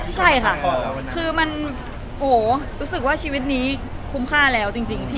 ใช่ค่ะคือมันรู้สึกว่าชีวิตนี้คุ้มค่าแล้วจริง